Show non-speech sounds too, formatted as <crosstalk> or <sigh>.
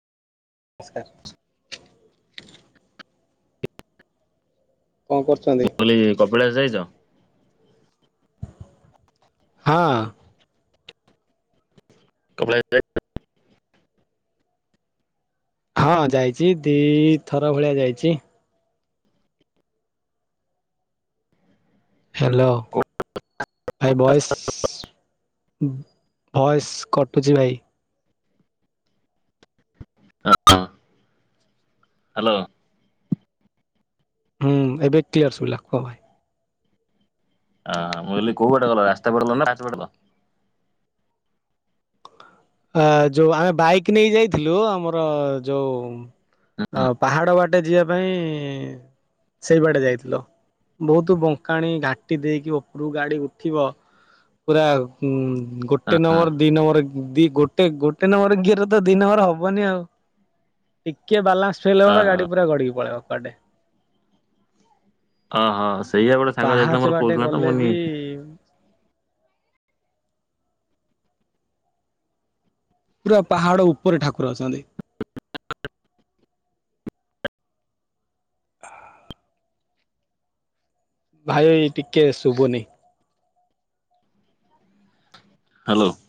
ନମସ୍କାର। କଣ କରୁ ମୁଁ କହିଲି କପିଳାସ ଯାଇଛ? ହଁଅଁ। କପିଳାସ ଯାଇଛ? ହଁ ଯାଇଛି ଦିଥର ଭଳିଆ ଯାଇଛି। ହ୍ୟାଲୋ ହଏ ବଏସ୍। ଭଏସ୍ କଟୁଛି ଭାଇ। ହ ହଁ <unintelligible> ହ୍ୟାଲୋ। ହୁଁ ଏବେକ୍ଲିଅର ସୁଭିଲା କୁହ ଭାଇ। ଆଁ ମୁଁକହିଲି ରାସ୍ତା ବାଟେ ଗଲ ନା ପାହାଚ ପଟେ ଗଲ? ଆ ଯୋଉ ଆମେ ବାଇକ୍ ନେଇ ଯାଇଥିଲୁ ଆମର ଯୋଉ ହଁ ପାହାଡ ବାଟେ ଯିବା ପାଇଁ ସେଇ ବାଟେ ଯାଇଥିଲୁ। ବହୁତ ବଙ୍କାଣି ଘାଟି ଦେଇକି ଉପରକୁ ଗାଡି ଉଠିବ। ପୁରା ଗୋଟେ ନମ୍ବର ଦି ନମ୍ବର ଦି ଗୋଟେ ଗୋଟେ ନମ୍ବରଗିଅର ତ ଦି ନମ୍ବର ହବନି ଆଉ। ଟିକେ ବାଲାନ୍ସ ଫେଲ ହବତ ହଁ ଗାଡି ପୁରା ଗଡ଼ିକି ପଳେଇବ କୁଆଡେ। ଅହଃ ସେଇଆ ଗୋଟେ ସାଙ୍ଗ ଯାଇଥିଲା ମୋର କହୁଥିଲା ତ ମୁଁନି। ହ <unintelligible> ପୁରା ପାହାଡ଼ ଉପରେ ଠାକୁର ଅଛନ୍ତି। ହ <unintelligible> ଭାଇ ଟିକେ ଶୁଭୁନି? ହ୍ୟାଲୋ।